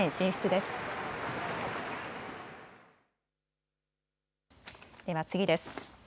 では次です。